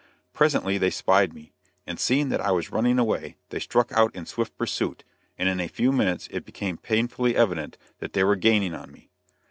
Presently they spied me, and seeing that I was running away, they struck out in swift pursuit, and in a few minutes it became painfully evident that they were gaining on me.